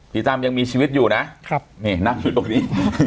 ตั้มยังมีชีวิตอยู่นะนี่นั่งอยู่ตรงนี้